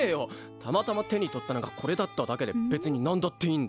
たまたま手に取ったのがこれだっただけで別になんだっていいんだよ。